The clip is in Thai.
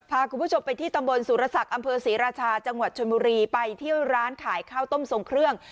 พาคุณผู้ชมไปที่ตำบลสุรศักดิ์อำเภอศรีราชาจังหวัดชนบุรีไปเที่ยวร้านขายข้าวต้มทรงเครื่อง